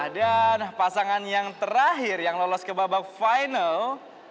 dan pasangan yang terakhir yang lolos ke babak final